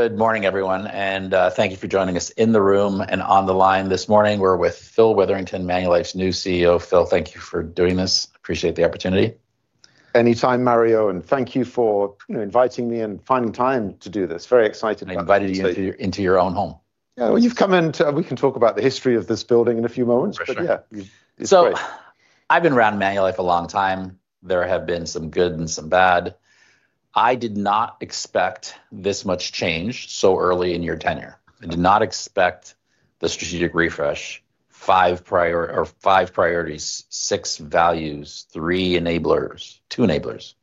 Good morning, everyone. Thank you for joining us in the room and on the line this morning. We're with Phil Witherington, Manulife's new CEO. Phil, thank you for doing this. Appreciate the opportunity. Anytime, Mario, and thank you for inviting me and finding time to do this. Very excited. I invited you into your own home. Yeah, well, you've come in to we can talk about the history of this building in a few moments. For sure. Yeah. I've been around Manulife a long time. There have been some good and some bad. I did not expect this much change so early in your tenure. I did not expect the strategic refresh, five priorities, six values, three enablers, two enablers.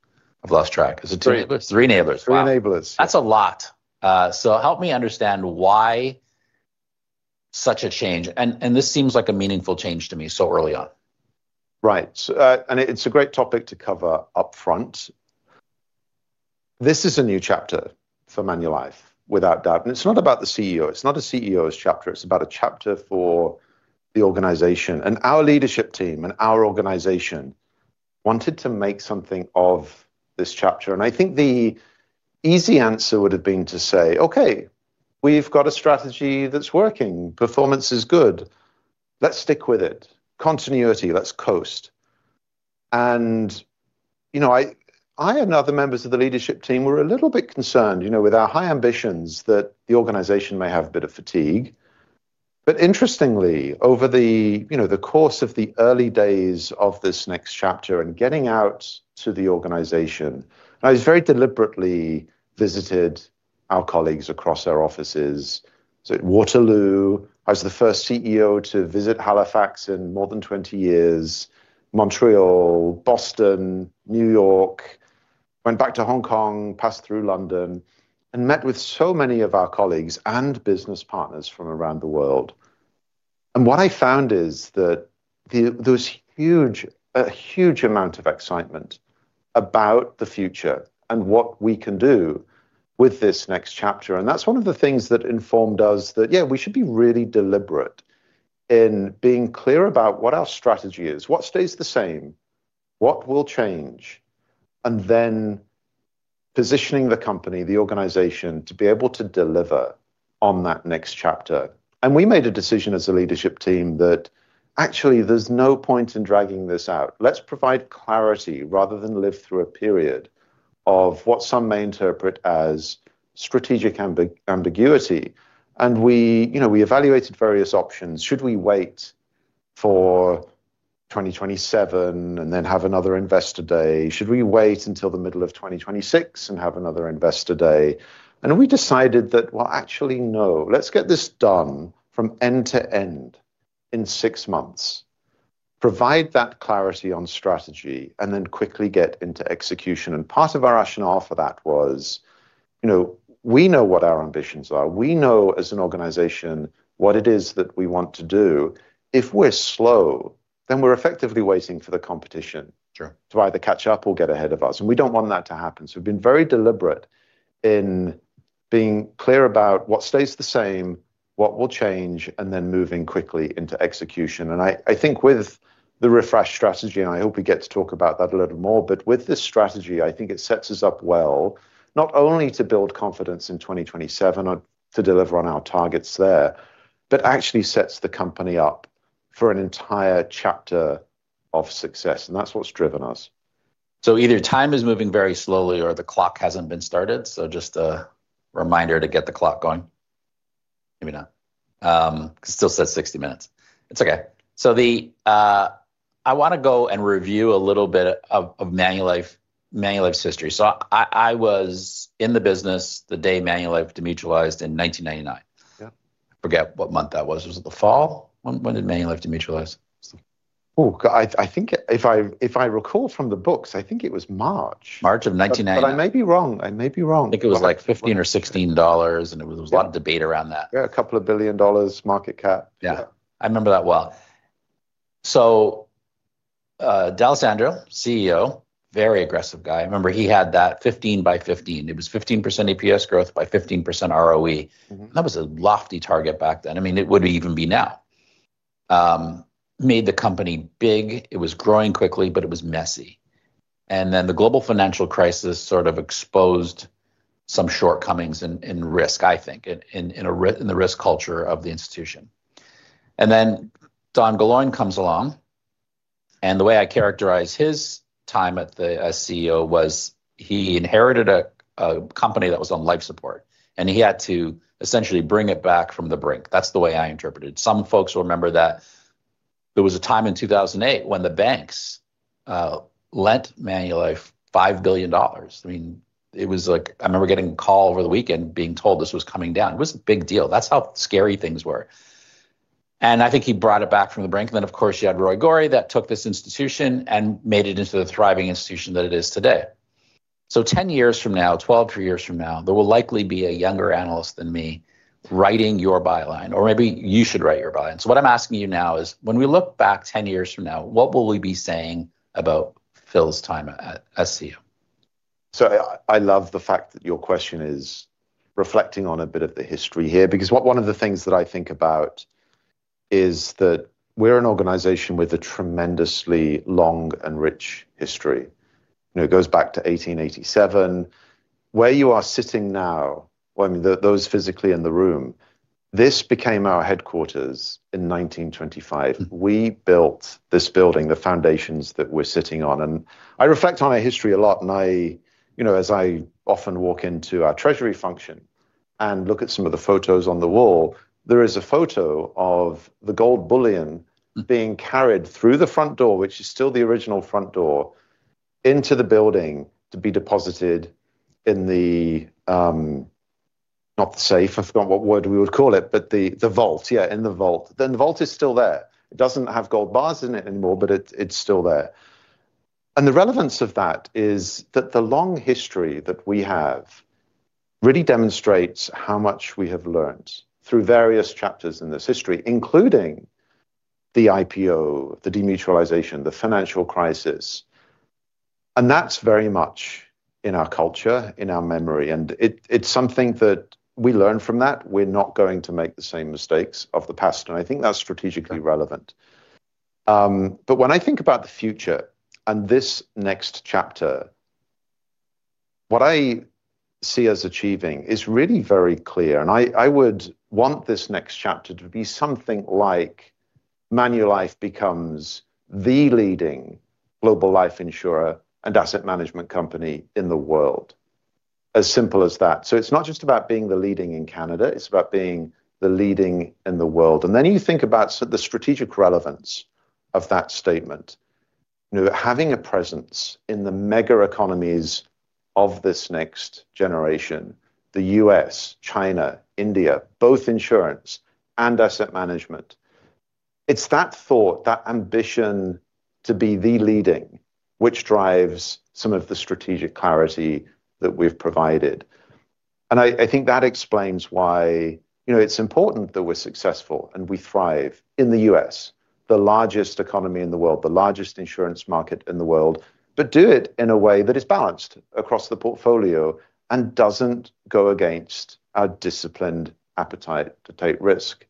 I've lost track. Three enablers. Three enablers. Three enablers. That's a lot. Help me understand why such a change, and this seems like a meaningful change to me so early on. Right. It is a great topic to cover upfront. This is a new chapter for Manulife, without doubt. It is not about the CEO. It is not a CEO's chapter. It is about a chapter for the organization. Our leadership team and our organization wanted to make something of this chapter. I think the easy answer would have been to say, "Okay, we've got a strategy that's working. Performance is good. Let's stick with it. Continuity, let's coast." I and other members of the leadership team were a little bit concerned with our high ambitions that the organization may have a bit of fatigue. Interestingly, over the course of the early days of this next chapter and getting out to the organization, I was very deliberately visited by our colleagues across our offices. Waterloo, I was the first CEO to visit Halifax in more than 20 years, Montreal, Boston, New York, went back to Hong Kong, passed through London, and met with so many of our colleagues and business partners from around the world. What I found is that there was a huge amount of excitement about the future and what we can do with this next chapter. That's one of the things that informed us that, yeah, we should be really deliberate in being clear about what our strategy is, what stays the same, what will change, and then positioning the company, the organization, to be able to deliver on that next chapter. We made a decision as a leadership team that actually there's no point in dragging this out. Let's provide clarity rather than live through a period of what some may interpret as strategic ambiguity. We evaluated various options. Should we wait for 2027 and then have another investor day? Should we wait until the middle of 2026 and have another investor day? We decided that, actually, no, let's get this done from end to end in six months, provide that clarity on strategy, and then quickly get into execution. Part of our rationale for that was we know what our ambitions are. We know as an organization what it is that we want to do. If we're slow, then we're effectively waiting for the competition to either catch up or get ahead of us. We do not want that to happen. We have been very deliberate in being clear about what stays the same, what will change, and then moving quickly into execution. I think with the refreshed strategy, and I hope we get to talk about that a little more, but with this strategy, I think it sets us up well, not only to build confidence in 2027 to deliver on our targets there, but actually sets the company up for an entire chapter of success. That is what has driven us. Either time is moving very slowly or the clock has not been started. Just a reminder to get the clock going. Maybe not. It still says 60 minutes. It's okay. I want to go and review a little bit of Manulife's history. I was in the business the day Manulife demutualized in 1999. I forget what month that was. Was it the fall? When did Manulife demutualize? Oh, I think if I recall from the books, I think it was March. March of 1999. I may be wrong. I may be wrong. I think it was like $15 or $16, and there was a lot of debate around that. Yeah, a couple of billion dollars market cap. Yeah, I remember that well. D'Alessandro, CEO, very aggressive guy. I remember he had that 15 by 15. It was 15% EPS growth by 15% ROE. That was a lofty target back then. I mean, it would even be now. Made the company big. It was growing quickly, but it was messy. The global financial crisis sort of exposed some shortcomings in risk, I think, in the risk culture of the institution. Don Guloien comes along. The way I characterize his time as CEO was he inherited a company that was on life support, and he had to essentially bring it back from the brink. That's the way I interpreted it. Some folks will remember that there was a time in 2008 when the banks lent Manulife $5 billion. I mean, it was like I remember getting a call over the weekend being told this was coming down. It was a big deal. That's how scary things were. I think he brought it back from the brink. Of course, you had Roy Gori that took this institution and made it into the thriving institution that it is today. Ten years from now, twelve years from now, there will likely be a younger analyst than me writing your byline, or maybe you should write your byline. What I'm asking you now is, when we look back ten years from now, what will we be saying about Phil's time as CEO? I love the fact that your question is reflecting on a bit of the history here, because one of the things that I think about is that we're an organization with a tremendously long and rich history. It goes back to 1887. Where you are sitting now, those physically in the room, this became our headquarters in 1925. We built this building, the foundations that we're sitting on. I reflect on our history a lot. As I often walk into our treasury function and look at some of the photos on the wall, there is a photo of the gold bullion being carried through the front door, which is still the original front door, into the building to be deposited in the, not the safe, I forgot what word we would call it, but the vault. Yeah, in the vault. The vault is still there. It doesn't have gold bars in it anymore, but it's still there. The relevance of that is that the long history that we have really demonstrates how much we have learned through various chapters in this history, including the IPO, the demutualization, the financial crisis. That's very much in our culture, in our memory. It's something that we learn from that. We're not going to make the same mistakes of the past. I think that's strategically relevant. When I think about the future and this next chapter, what I see as achieving is really very clear. I would want this next chapter to be something like Manulife becomes the leading global life insurer and asset management company in the world, as simple as that. It's not just about being the leading in Canada. It's about being the leading in the world. You think about the strategic relevance of that statement. Having a presence in the mega economies of this next generation, the U.S., China, India, both insurance and asset management, it's that thought, that ambition to be the leading, which drives some of the strategic clarity that we've provided. I think that explains why it's important that we're successful and we thrive in the U.S., the largest economy in the world, the largest insurance market in the world, but do it in a way that is balanced across the portfolio and doesn't go against our disciplined appetite to take risk.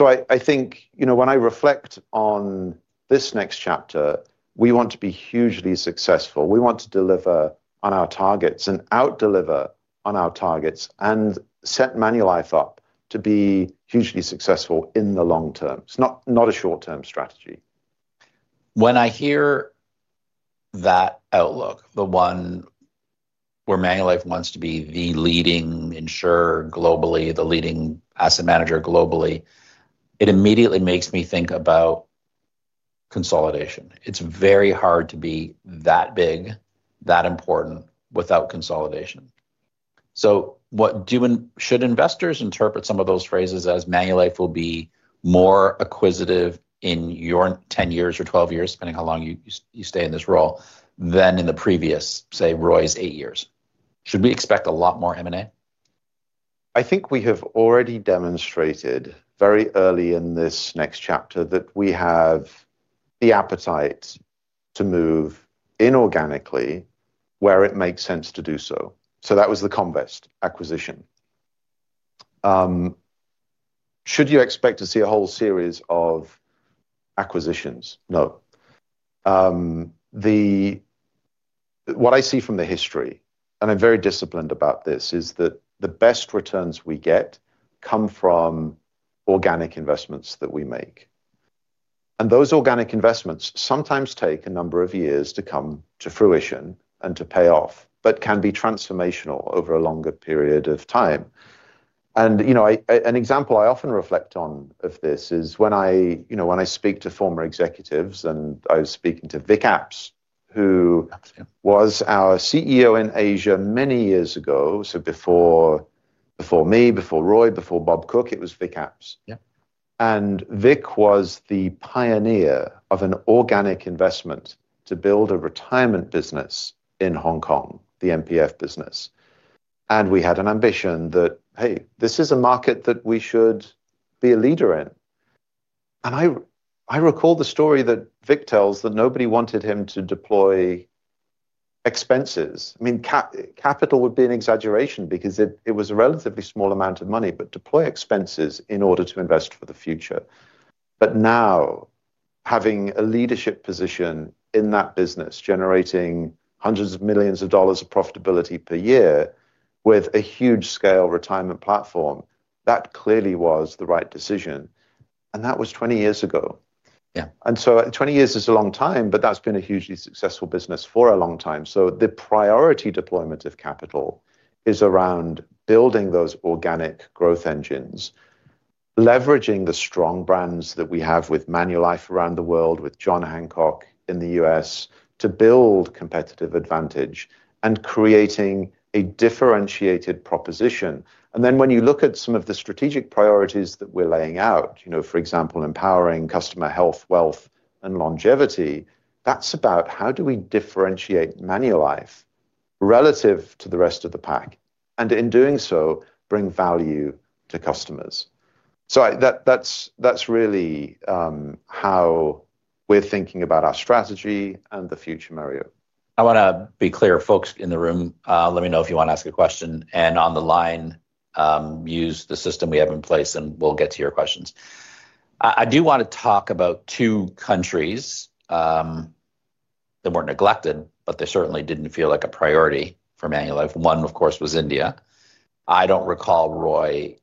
I think when I reflect on this next chapter, we want to be hugely successful. We want to deliver on our targets and out-deliver on our targets and set Manulife up to be hugely successful in the long term. It's not a short-term strategy. When I hear that outlook, the one where Manulife wants to be the leading insurer globally, the leading asset manager globally, it immediately makes me think about consolidation. It is very hard to be that big, that important without consolidation. Should investors interpret some of those phrases as Manulife will be more acquisitive in your 10 years or 12 years, depending on how long you stay in this role, than in the previous, say, Roy's eight years? Should we expect a lot more M&A? I think we have already demonstrated very early in this next chapter that we have the appetite to move inorganically where it makes sense to do so. That was the Comvest acquisition. Should you expect to see a whole series of acquisitions? No. What I see from the history, and I am very disciplined about this, is that the best returns we get come from organic investments that we make. Those organic investments sometimes take a number of years to come to fruition and to pay off, but can be transformational over a longer period of time. An example I often reflect on of this is when I speak to former executives and I was speaking to Vic Apps, who was our CEO in Asia many years ago, before me, before Roy, before Bob Cook, it was Vic Apps. Vic was the pioneer of an organic investment to build a retirement business in Hong Kong, the MPF business. We had an ambition that, hey, this is a market that we should be a leader in. I recall the story that Vic tells that nobody wanted him to deploy expenses. I mean, capital would be an exaggeration because it was a relatively small amount of money, but deploy expenses in order to invest for the future. Now, having a leadership position in that business, generating hundreds of millions of dollars of profitability per year with a huge scale retirement platform, that clearly was the right decision. That was 20 years ago. Twenty years is a long time, but that's been a hugely successful business for a long time. The priority deployment of capital is around building those organic growth engines, leveraging the strong brands that we have with Manulife around the world, with John Hancock in the U.S. to build competitive advantage and creating a differentiated proposition. When you look at some of the strategic priorities that we're laying out, for example, empowering customer health, wealth, and longevity, that's about how do we differentiate Manulife relative to the rest of the pack and in doing so, bring value to customers. That's really how we're thinking about our strategy and the future, Mario. I want to be clear, folks in the room, let me know if you want to ask a question. On the line, use the system we have in place and we'll get to your questions. I do want to talk about two countries that were neglected, but they certainly didn't feel like a priority for Manulife. One, of course, was India. I don't recall Roy;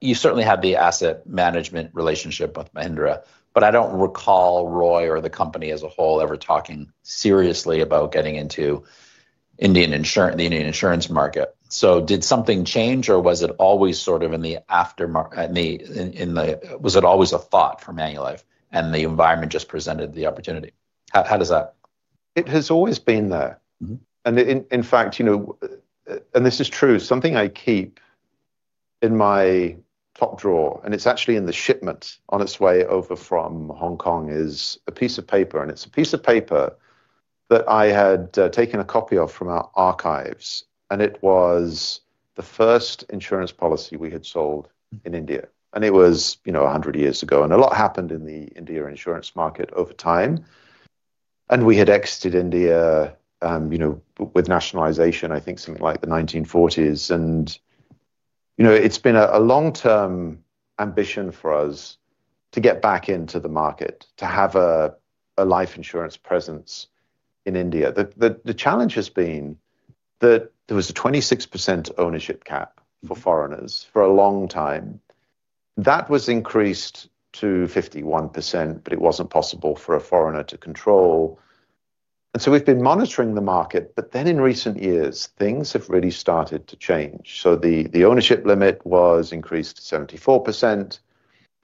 you certainly had the asset management relationship with Mahindra, but I don't recall Roy or the company as a whole ever talking seriously about getting into the Indian insurance market. Did something change or was it always sort of in the aftermarket? Was it always a thought for Manulife and the environment just presented the opportunity? How does that? It has always been there. In fact, and this is true, something I keep in my top drawer, and it's actually in the shipment on its way over from Hong Kong, is a piece of paper. It's a piece of paper that I had taken a copy of from our archives. It was the first insurance policy we had sold in India. It was 100 years ago. A lot happened in the India insurance market over time. We had exited India with nationalization, I think something like the 1940s. It has been a long-term ambition for us to get back into the market, to have a life insurance presence in India. The challenge has been that there was a 26% ownership cap for foreigners for a long time. That was increased to 51%, but it was not possible for a foreigner to control. We have been monitoring the market, but then in recent years, things have really started to change. The ownership limit was increased to 74%,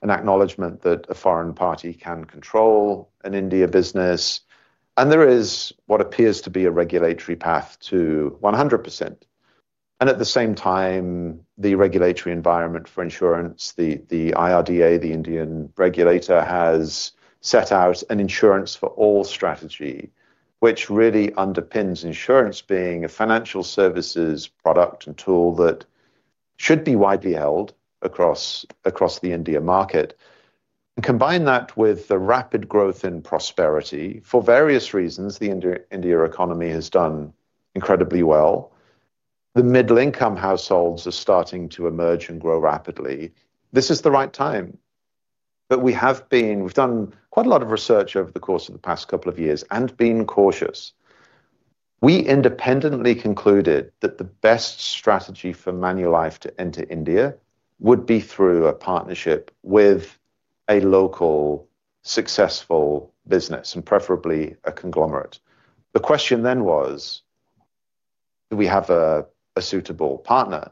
an acknowledgment that a foreign party can control an India business. There is what appears to be a regulatory path to 100%. At the same time, the regulatory environment for insurance, the IRDA, the Indian regulator, has set out an insurance for all strategy, which really underpins insurance being a financial services product and tool that should be widely held across the India market. Combine that with the rapid growth in prosperity. For various reasons, the India economy has done incredibly well. The middle-income households are starting to emerge and grow rapidly. This is the right time. We have done quite a lot of research over the course of the past couple of years and been cautious. We independently concluded that the best strategy for Manulife to enter India would be through a partnership with a local successful business, and preferably a conglomerate. The question then was, do we have a suitable partner?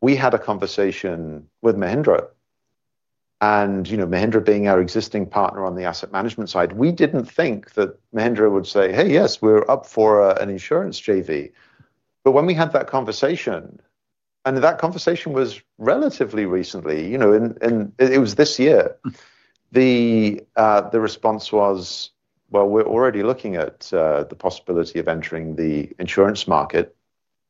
We had a conversation with Mahindra. Mahindra, being our existing partner on the asset management side, we did not think that Mahindra would say, "Hey, yes, we are up for an insurance, JV." When we had that conversation, and that conversation was relatively recently, and it was this year, the response was, "We are already looking at the possibility of entering the insurance market.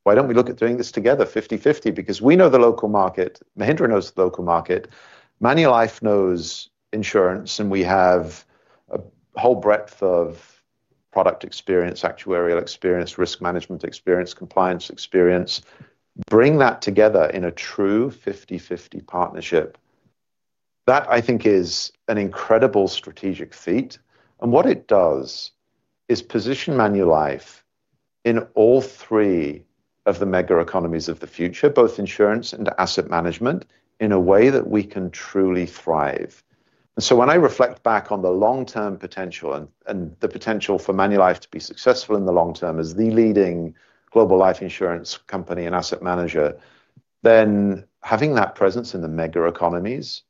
Why do we not look at doing this together 50/50?" We know the local market, Mahindra knows the local market, Manulife knows insurance, and we have a whole breadth of product experience, actuarial experience, risk management experience, compliance experience. Bring that together in a true 50/50 partnership. That, I think, is an incredible strategic feat. What it does is position Manulife in all three of the mega economies of the future, both insurance and asset management, in a way that we can truly thrive. When I reflect back on the long-term potential and the potential for Manulife to be successful in the long term as the leading global life insurance company and asset manager, then having that presence in the mega economies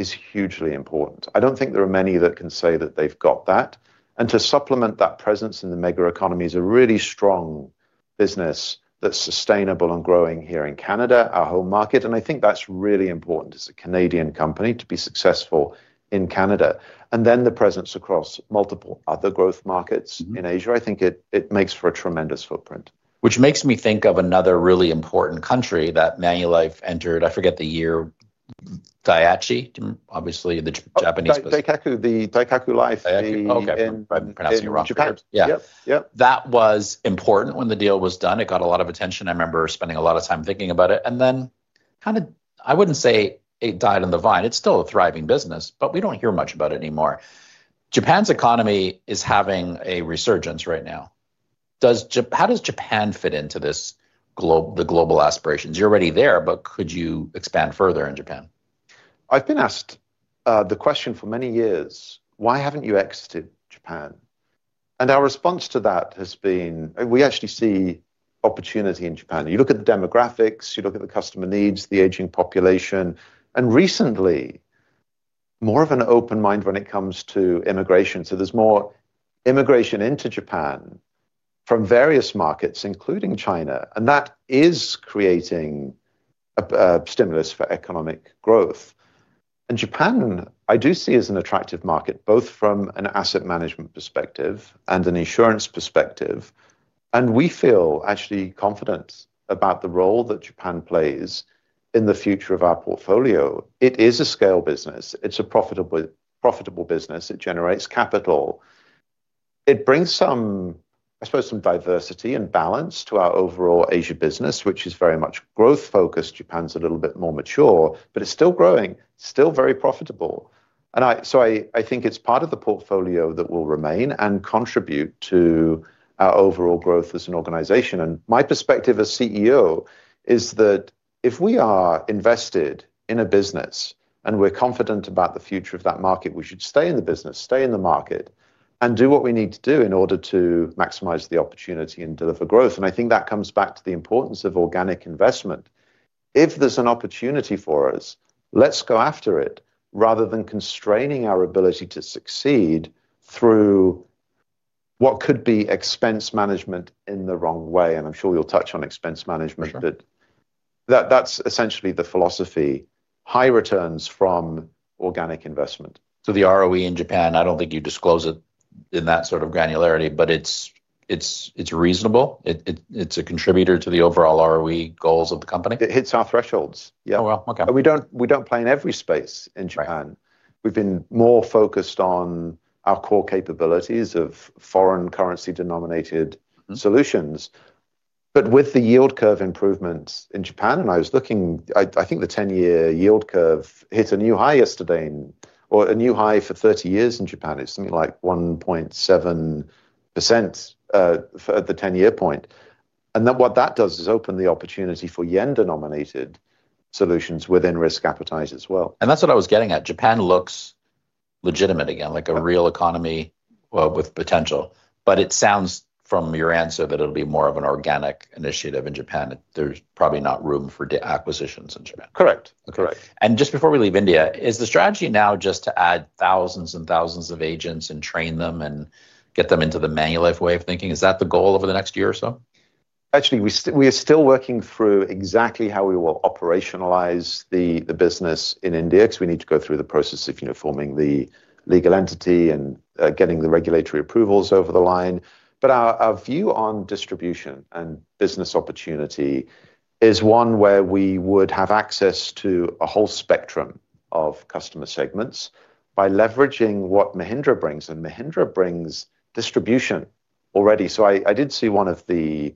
is hugely important. I do not think there are many that can say that they have got that. To supplement that presence in the mega economy is a really strong business that is sustainable and growing here in Canada, our home market. I think that is really important as a Canadian company to be successful in Canada. The presence across multiple other growth markets in Asia, I think it makes for a tremendous footprint. Which makes me think of another really important country that Manulife entered. I forget the year, Dai-ichi, obviously the Japanese. Dai-ichi Life. Dai-ichi, okay. I'm pronouncing it wrong. In Japan. Yeah. That was important when the deal was done. It got a lot of attention. I remember spending a lot of time thinking about it. I would not say it died on the vine. It is still a thriving business, but we do not hear much about it anymore. Japan's economy is having a resurgence right now. How does Japan fit into the global aspirations? You are already there, but could you expand further in Japan? I've been asked the question for many years, "Why haven't you exited Japan?" Our response to that has been, "We actually see opportunity in Japan." You look at the demographics, you look at the customer needs, the aging population. Recently, more of an open mind when it comes to immigration. There is more immigration into Japan from various markets, including China. That is creating a stimulus for economic growth. Japan, I do see as an attractive market, both from an asset management perspective and an insurance perspective. We feel actually confident about the role that Japan plays in the future of our portfolio. It is a scale business. It's a profitable business. It generates capital. It brings some, I suppose, some diversity and balance to our overall Asia business, which is very much growth-focused. Japan's a little bit more mature, but it's still growing, still very profitable. I think it's part of the portfolio that will remain and contribute to our overall growth as an organization. My perspective as CEO is that if we are invested in a business and we're confident about the future of that market, we should stay in the business, stay in the market, and do what we need to do in order to maximize the opportunity and deliver growth. I think that comes back to the importance of organic investment. If there's an opportunity for us, let's go after it rather than constraining our ability to succeed through what could be expense management in the wrong way. I'm sure we'll touch on expense management, but that's essentially the philosophy: high returns from organic investment. The ROE in Japan, I don't think you disclose it in that sort of granularity, but it's reasonable. It's a contributor to the overall ROE goals of the company. It hits our thresholds. Yeah. Oh, wow. Okay. We don't play in every space in Japan. We've been more focused on our core capabilities of foreign currency-denominated solutions. With the yield curve improvements in Japan, I was looking, I think the 10-year yield curve hit a new high yesterday, or a new high for 30 years in Japan. It's something like 1.7% at the 10-year point. What that does is open the opportunity for yen-denominated solutions within risk appetite as well. That is what I was getting at. Japan looks legitimate again, like a real economy with potential. It sounds from your answer that it will be more of an organic initiative in Japan. There is probably not room for acquisitions in Japan. Correct. Correct. Just before we leave India, is the strategy now just to add thousands and thousands of agents and train them and get them into the Manulife way of thinking? Is that the goal over the next year or so? Actually, we are still working through exactly how we will operationalize the business in India because we need to go through the process of forming the legal entity and getting the regulatory approvals over the line. Our view on distribution and business opportunity is one where we would have access to a whole spectrum of customer segments by leveraging what Mahindra brings. Mahindra brings distribution already. I did see one of the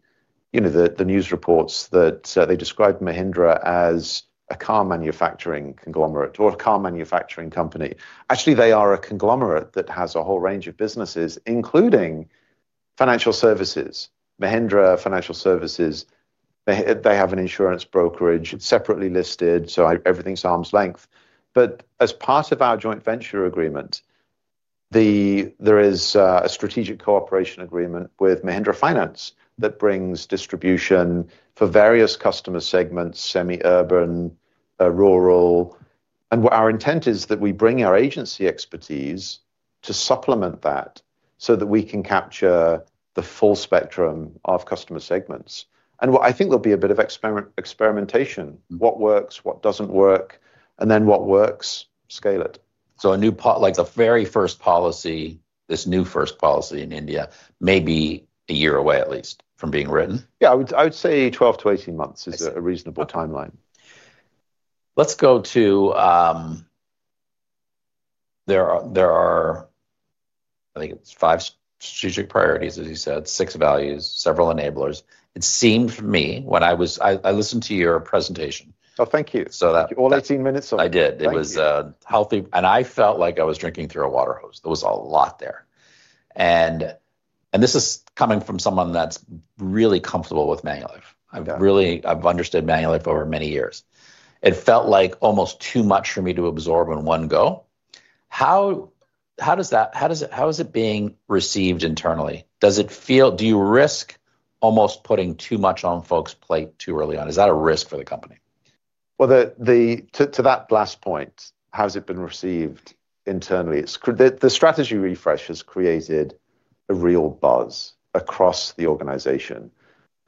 news reports that described Mahindra as a car manufacturing conglomerate or a car manufacturing company. Actually, they are a conglomerate that has a whole range of businesses, including financial services. Mahindra Financial Services, they have an insurance brokerage separately listed, so everything's arm's length. As part of our joint venture agreement, there is a strategic cooperation agreement with Mahindra Finance that brings distribution for various customer segments: semi-urban, rural. Our intent is that we bring our agency expertise to supplement that so that we can capture the full spectrum of customer segments. I think there'll be a bit of experimentation: what works, what doesn't work, and then what works, scale it. A new, like the very first policy, this new first policy in India may be a year away at least from being written. Yeah, I would say 12 to 18 months is a reasonable timeline. Let's go to, there are, I think it's five strategic priorities, as you said, six values, several enablers. It seemed for me when I listened to your presentation. Oh, thank you. All 18 minutes or? I did. It was healthy. I felt like I was drinking through a water hose. There was a lot there. This is coming from someone that's really comfortable with Manulife. I've understood Manulife over many years. It felt like almost too much for me to absorb in one go. How is it being received internally? Do you risk almost putting too much on folks' plate too early on? Is that a risk for the company? To that last point, how has it been received internally? The strategy refresh has created a real buzz across the organization.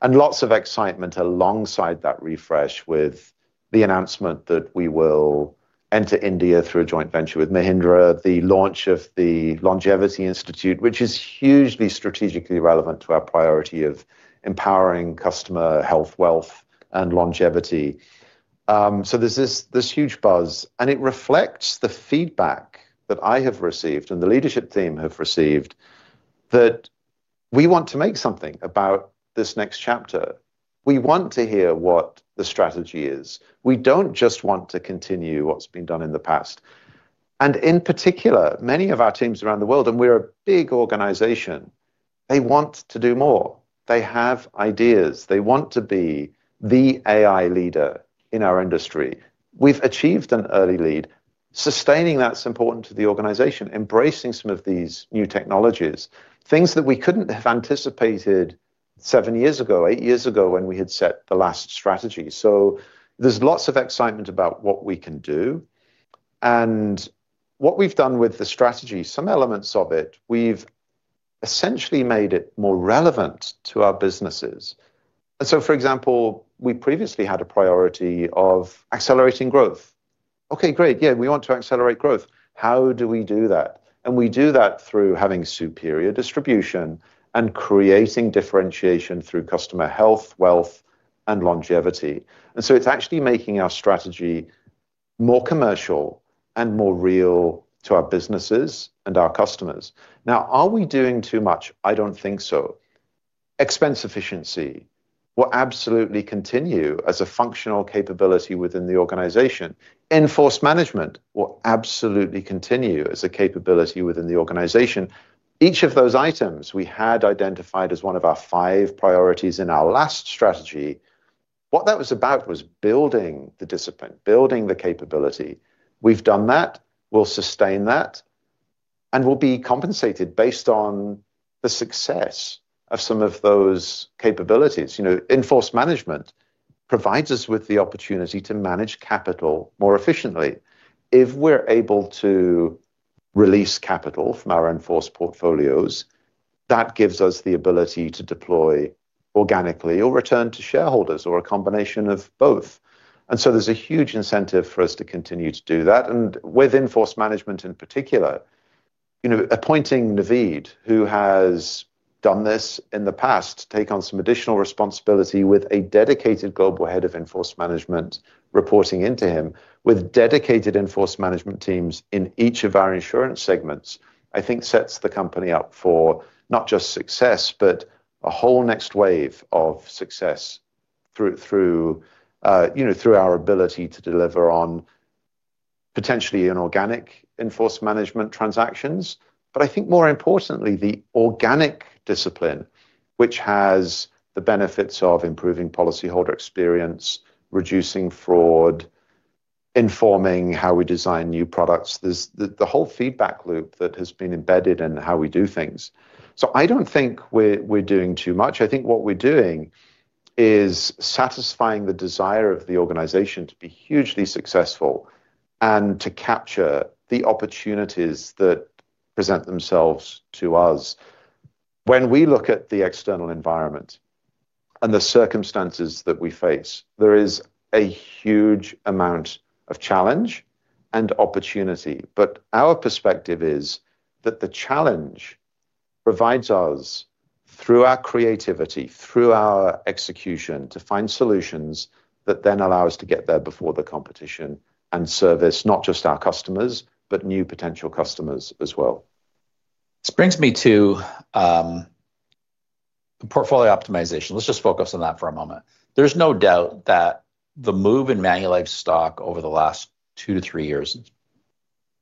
Lots of excitement alongside that refresh with the announcement that we will enter India through a joint venture with Mahindra, the launch of the Longevity Institute, which is hugely strategically relevant to our priority of empowering customer health, wealth, and longevity. There is this huge buzz. It reflects the feedback that I have received and the leadership team have received that we want to make something about this next chapter. We want to hear what the strategy is. We do not just want to continue what has been done in the past. In particular, many of our teams around the world, and we are a big organization, want to do more. They have ideas. They want to be the AI leader in our industry. We've achieved an early lead. Sustaining that's important to the organization, embracing some of these new technologies, things that we couldn't have anticipated seven years ago, eight years ago when we had set the last strategy. There's lots of excitement about what we can do. What we've done with the strategy, some elements of it, we've essentially made it more relevant to our businesses. For example, we previously had a priority of accelerating growth. Okay, great. Yeah, we want to accelerate growth. How do we do that? We do that through having superior distribution and creating differentiation through customer health, wealth, and longevity. It's actually making our strategy more commercial and more real to our businesses and our customers. Now, are we doing too much? I don't think so. Expense efficiency will absolutely continue as a functional capability within the organization. Inforce Management will absolutely continue as a capability within the organization. Each of those items we had identified as one of our five priorities in our last strategy, what that was about was building the discipline, building the capability. We've done that. We'll sustain that. We'll be compensated based on the success of some of those capabilities. Inforce Management provides us with the opportunity to manage capital more efficiently. If we're able to release capital from our inforce portfolios, that gives us the ability to deploy organically or return to shareholders or a combination of both. There is a huge incentive for us to continue to do that. With Inforce Management in particular, appointing Naveed, who has done this in the past, to take on some additional responsibility with a dedicated global head of Inforce Management reporting into him, with dedicated Inforce Management teams in each of our insurance segments, I think sets the company up for not just success, but a whole next wave of success through our ability to deliver on potentially inorganic Inforce Management transactions. I think more importantly, the organic discipline, which has the benefits of improving policyholder experience, reducing fraud, informing how we design new products, the whole feedback loop that has been embedded in how we do things. I do not think we are doing too much. I think what we are doing is satisfying the desire of the organization to be hugely successful and to capture the opportunities that present themselves to us. When we look at the external environment and the circumstances that we face, there is a huge amount of challenge and opportunity. Our perspective is that the challenge provides us through our creativity, through our execution, to find solutions that then allow us to get there before the competition and service not just our customers, but new potential customers as well. This brings me to portfolio optimization. Let's just focus on that for a moment. There's no doubt that the move in Manulife's stock over the last two to three years,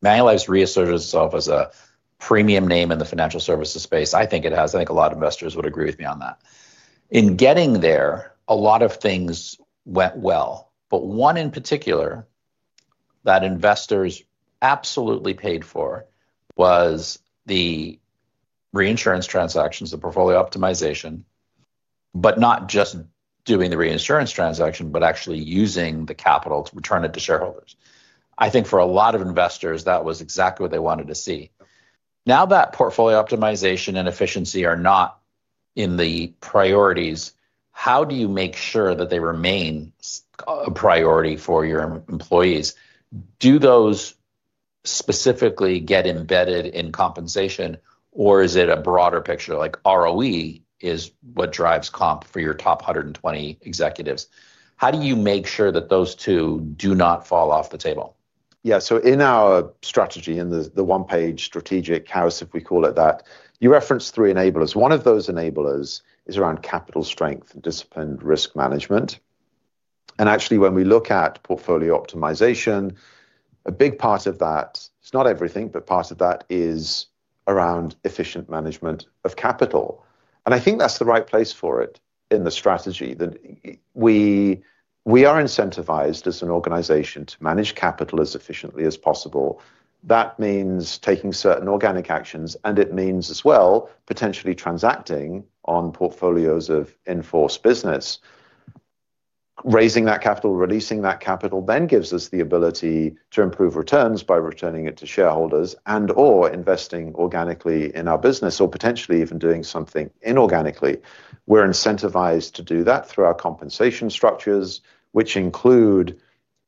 Manulife's reasserted itself as a premium name in the financial services space. I think it has. I think a lot of investors would agree with me on that. In getting there, a lot of things went well. One in particular that investors absolutely paid for was the reinsurance transactions, the portfolio optimization, but not just doing the reinsurance transaction, but actually using the capital to return it to shareholders. I think for a lot of investors, that was exactly what they wanted to see. Now that portfolio optimization and efficiency are not in the priorities, how do you make sure that they remain a priority for your employees? Do those specifically get embedded in compensation, or is it a broader picture? Like ROE is what drives comp for your top 120 executives. How do you make sure that those two do not fall off the table? Yeah. In our strategy, in the one-page strategic house, if we call it that, you reference three enablers. One of those enablers is around capital strength and discipline and risk management. Actually, when we look at portfolio optimization, a big part of that, it's not everything, but part of that is around efficient management of capital. I think that's the right place for it in the strategy. We are incentivized as an organization to manage capital as efficiently as possible. That means taking certain organic actions, and it means as well potentially transacting on portfolios of inforce business. Raising that capital, releasing that capital then gives us the ability to improve returns by returning it to shareholders and/or investing organically in our business or potentially even doing something inorganically. We're incentivized to do that through our compensation structures, which include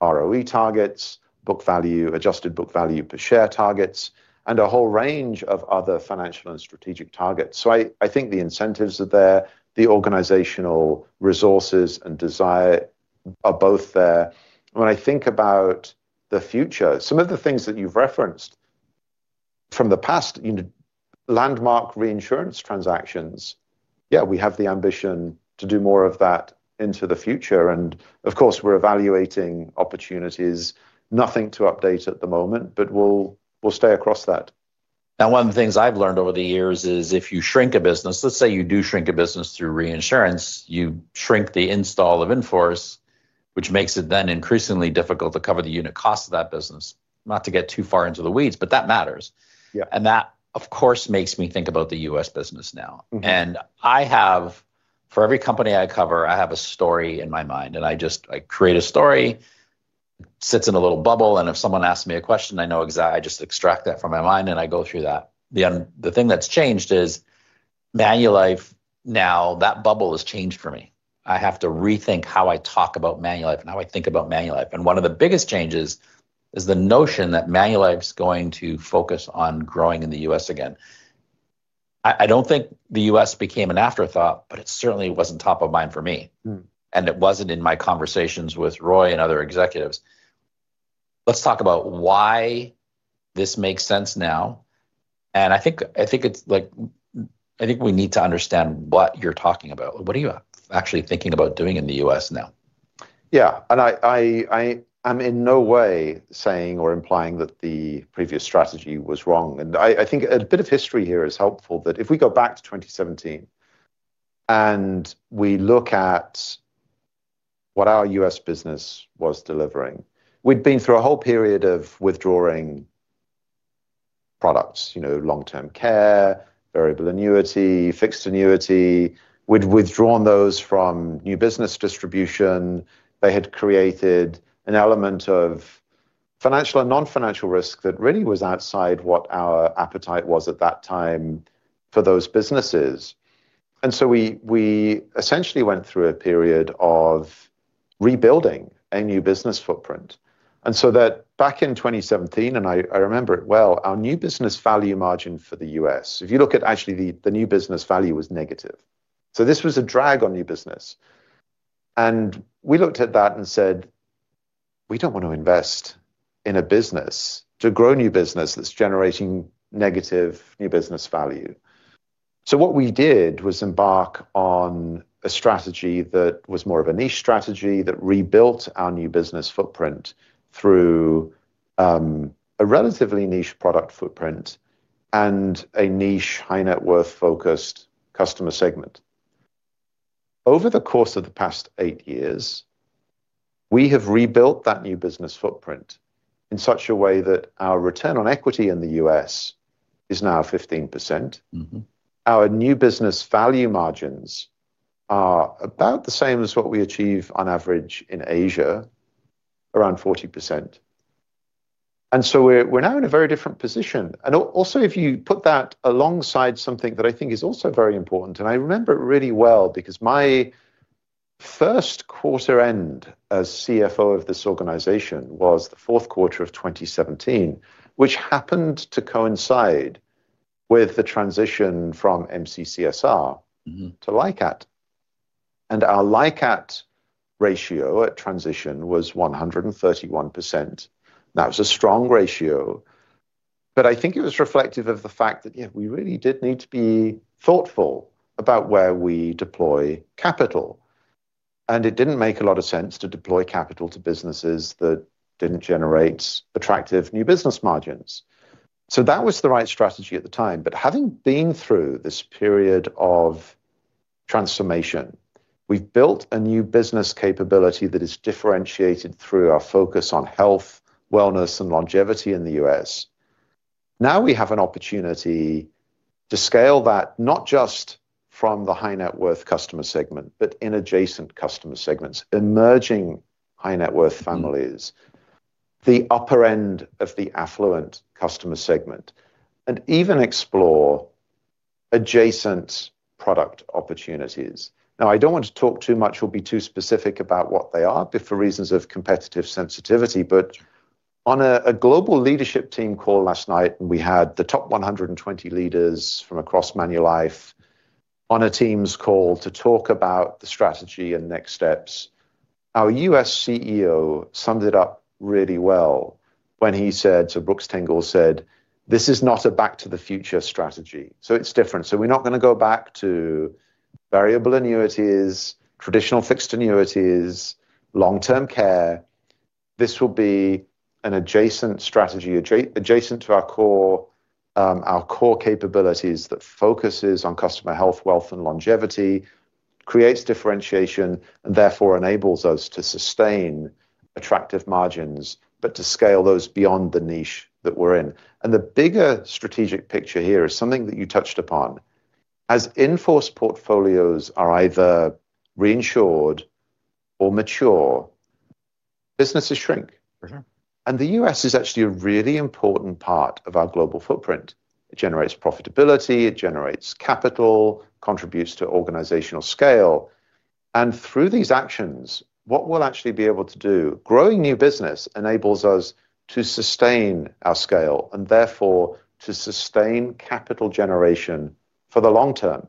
ROE targets, book value, adjusted book value per share targets, and a whole range of other financial and strategic targets. I think the incentives are there. The organizational resources and desire are both there. When I think about the future, some of the things that you've referenced from the past, landmark reinsurance transactions, yeah, we have the ambition to do more of that into the future. Of course, we're evaluating opportunities. Nothing to update at the moment, but we'll stay across that. Now, one of the things I've learned over the years is if you shrink a business, let's say you do shrink a business through reinsurance, you shrink the install of inforce, which makes it then increasingly difficult to cover the unit cost of that business. Not to get too far into the weeds, but that matters. That, of course, makes me think about the U.S. business now. For every company I cover, I have a story in my mind. I create a story, it sits in a little bubble, and if someone asks me a question, I know exactly, I just extract that from my mind and I go through that. The thing that's changed is Manulife now, that bubble has changed for me. I have to rethink how I talk about Manulife and how I think about Manulife. One of the biggest changes is the notion that Manulife's going to focus on growing in the U.S. again. I don't think the U.S. became an afterthought, but it certainly wasn't top of mind for me. It wasn't in my conversations with Roy and other executives. Let's talk about why this makes sense now. I think we need to understand what you're talking about. What are you actually thinking about doing in the U.S. now? Yeah. I'm in no way saying or implying that the previous strategy was wrong. I think a bit of history here is helpful that if we go back to 2017 and we look at what our U.S. business was delivering, we'd been through a whole period of withdrawing products, long-term care, variable annuity, fixed annuity. We'd withdrawn those from new business distribution. They had created an element of financial and non-financial risk that really was outside what our appetite was at that time for those businesses. We essentially went through a period of rebuilding a new business footprint. Back in 2017, and I remember it well, our new business value margin for the U.S., if you look at actually the new business value, was negative. This was a drag on new business. We looked at that and said, "We don't want to invest in a business to grow new business that's generating negative new business value." What we did was embark on a strategy that was more of a niche strategy that rebuilt our new business footprint through a relatively niche product footprint and a niche high net worth focused customer segment. Over the course of the past eight years, we have rebuilt that new business footprint in such a way that our return on equity in the U.S. is now 15%. Our new business value margins are about the same as what we achieve on average in Asia, around 40%. We are now in a very different position. If you put that alongside something that I think is also very important, I remember it really well because my first quarter end as CFO of this organization was the fourth quarter of 2017, which happened to coincide with the transition from MCCSR to LICAT. Our LICAT ratio at transition was 131%. That was a strong ratio. I think it was reflective of the fact that, yeah, we really did need to be thoughtful about where we deploy capital. It did not make a lot of sense to deploy capital to businesses that did not generate attractive new business margins. That was the right strategy at the time. Having been through this period of transformation, we have built a new business capability that is differentiated through our focus on health, wellness, and longevity in the U.S. Now we have an opportunity to scale that not just from the high net worth customer segment, but in adjacent customer segments, emerging high net worth families, the upper end of the affluent customer segment, and even explore adjacent product opportunities. I do not want to talk too much, or be too specific about what they are for reasons of competitive sensitivity. On a global leadership team call last night, we had the top 120 leaders from across Manulife on a Teams call to talk about the strategy and next steps. Our U.S. CEO summed it up really well when he said, so Brooks Tingle said, "This is not a back to the future strategy." It is different. We are not going to go back to variable annuities, traditional fixed annuities, long-term care. This will be an adjacent strategy adjacent to our core capabilities that focuses on customer health, wealth, and longevity, creates differentiation, and therefore enables us to sustain attractive margins, but to scale those beyond the niche that we're in. The bigger strategic picture here is something that you touched upon. As inforce portfolios are either reinsured or mature, businesses shrink. The U.S. is actually a really important part of our global footprint. It generates profitability. It generates capital, contributes to organizational scale. Through these actions, what we'll actually be able to do, growing new business enables us to sustain our scale and therefore to sustain capital generation for the long term.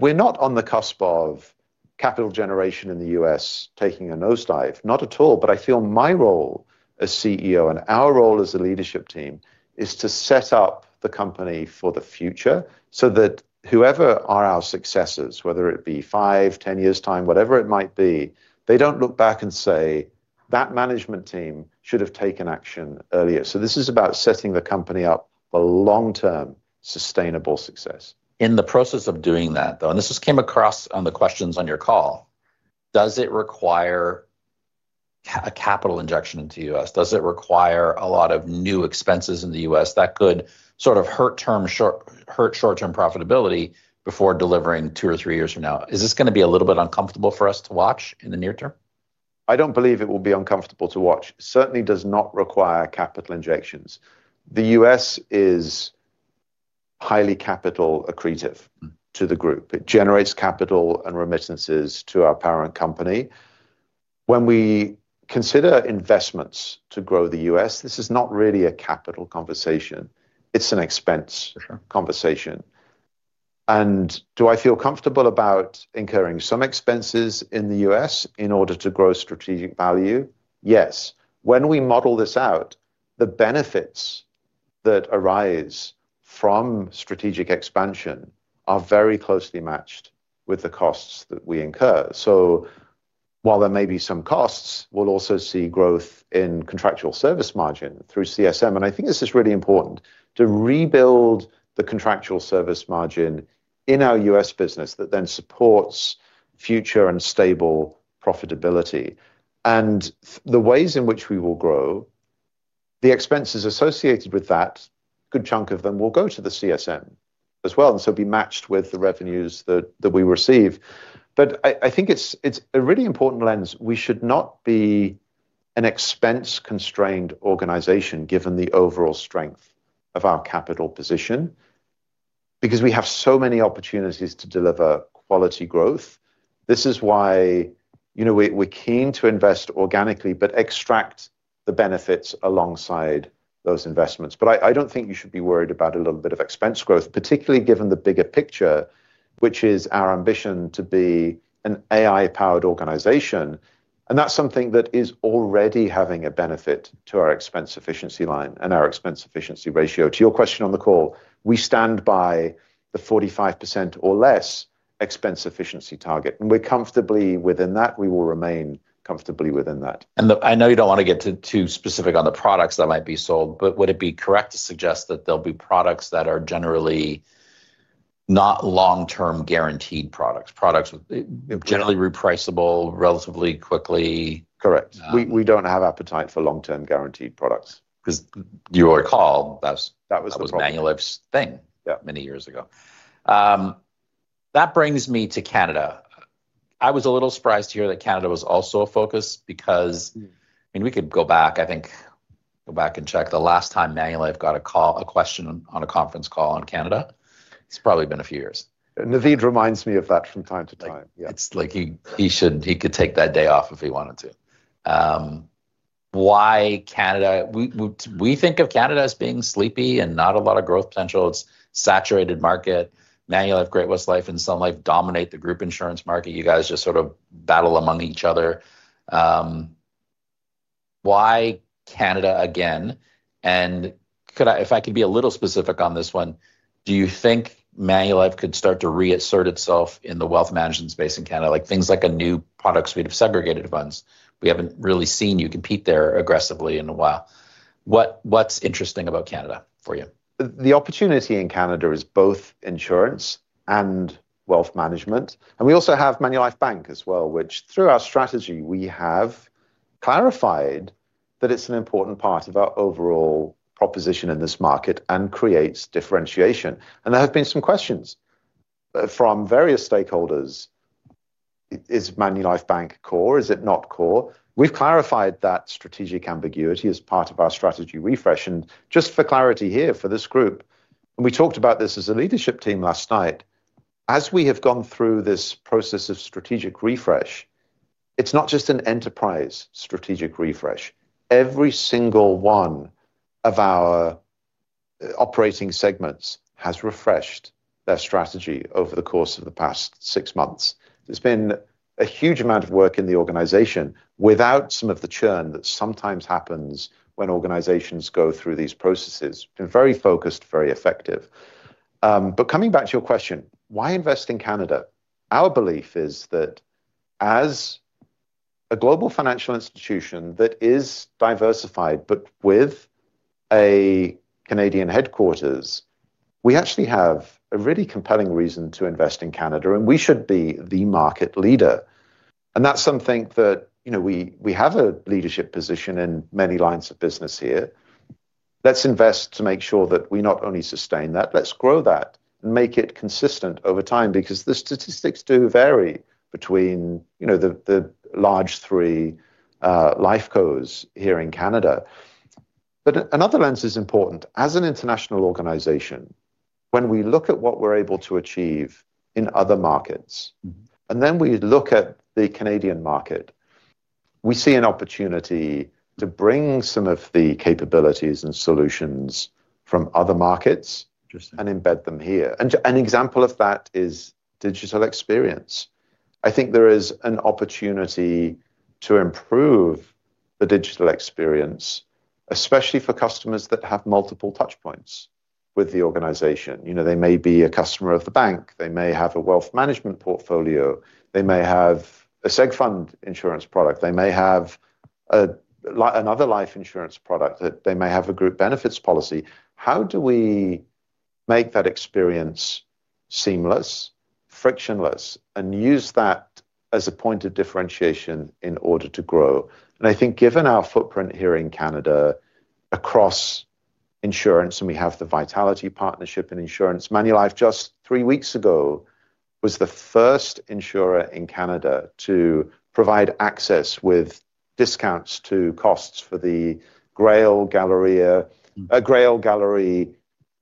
We're not on the cusp of capital generation in the U.S. taking a nosedive. Not at all. I feel my role as CEO and our role as a leadership team is to set up the company for the future so that whoever are our successors, whether it be 5, 10 years' time, whatever it might be, they do not look back and say, "That management team should have taken action earlier." This is about setting the company up for long-term sustainable success. In the process of doing that, though, and this came across on the questions on your call, does it require a capital injection into the U.S.? Does it require a lot of new expenses in the U.S. that could sort of hurt short-term profitability before delivering two or three years from now? Is this going to be a little bit uncomfortable for us to watch in the near term? I don't believe it will be uncomfortable to watch. It certainly does not require capital injections. The U.S. is highly capital accretive to the group. It generates capital and remittances to our parent company. When we consider investments to grow the U.S., this is not really a capital conversation. It's an expense conversation. Do I feel comfortable about incurring some expenses in the U.S. in order to grow strategic value? Yes. When we model this out, the benefits that arise from strategic expansion are very closely matched with the costs that we incur. While there may be some costs, we'll also see growth in contractual service margin through CSM. I think this is really important to rebuild the contractual service margin in our U.S. business that then supports future and stable profitability. The ways in which we will grow, the expenses associated with that, a good chunk of them will go to the CSM as well, and so be matched with the revenues that we receive. I think it's a really important lens. We should not be an expense-constrained organization given the overall strength of our capital position because we have so many opportunities to deliver quality growth. This is why we're keen to invest organically, but extract the benefits alongside those investments. I don't think you should be worried about a little bit of expense growth, particularly given the bigger picture, which is our ambition to be an AI-powered organization. That's something that is already having a benefit to our expense efficiency line and our expense efficiency ratio. To your question on the call, we stand by the 45% or less expense efficiency target. We are comfortably within that. We will remain comfortably within that. I know you don't want to get too specific on the products that might be sold, but would it be correct to suggest that there'll be products that are generally not long-term guaranteed products, products generally repriceable relatively quickly? Correct. We don't have appetite for long-term guaranteed products. Because your call, that was Manulife's thing many years ago. That brings me to Canada. I was a little surprised to hear that Canada was also a focus because, I mean, we could go back, I think, go back and check the last time Manulife got a question on a conference call on Canada. It's probably been a few years. Naveed reminds me of that from time to time. Yeah. It's like he could take that day off if he wanted to. Why Canada? We think of Canada as being sleepy and not a lot of growth potential. It's a saturated market. Manulife, Great-West Life, and Sun Life dominate the group insurance market. You guys just sort of battle among each other. Why Canada again? If I could be a little specific on this one, do you think Manulife could start to reassert itself in the wealth management space in Canada, like things like a new product suite of segregated funds? We haven't really seen you compete there aggressively in a while. What's interesting about Canada for you? The opportunity in Canada is both insurance and wealth management. We also have Manulife Bank as well, which through our strategy, we have clarified that it's an important part of our overall proposition in this market and creates differentiation. There have been some questions from various stakeholders. Is Manulife Bank core? Is it not core? We've clarified that strategic ambiguity as part of our strategy refresh. Just for clarity here for this group, and we talked about this as a leadership team last night, as we have gone through this process of strategic refresh, it's not just an enterprise strategic refresh. Every single one of our operating segments has refreshed their strategy over the course of the past six months. There's been a huge amount of work in the organization without some of the churn that sometimes happens when organizations go through these processes. It's been very focused, very effective. Coming back to your question, why invest in Canada? Our belief is that as a global financial institution that is diversified, but with a Canadian headquarters, we actually have a really compelling reason to invest in Canada, and we should be the market leader. That's something that we have a leadership position in many lines of business here. Let's invest to make sure that we not only sustain that, let's grow that and make it consistent over time because the statistics do vary between the large three Lifecos here in Canada. Another lens is important. As an international organization, when we look at what we're able to achieve in other markets, and then we look at the Canadian market, we see an opportunity to bring some of the capabilities and solutions from other markets and embed them here. An example of that is digital experience. I think there is an opportunity to improve the digital experience, especially for customers that have multiple touchpoints with the organization. They may be a customer of the bank. They may have a wealth management portfolio. They may have a Seg Funds insurance product. They may have another life insurance product. They may have a group benefits policy. How do we make that experience seamless, frictionless, and use that as a point of differentiation in order to grow? I think given our footprint here in Canada across insurance, and we have the Vitality partnership in insurance, Manulife just three weeks ago was the first insurer in Canada to provide access with discounts to costs for the GRAIL Galleri